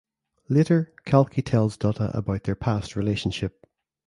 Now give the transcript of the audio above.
Later Kalki tells Dutta about their past relationship.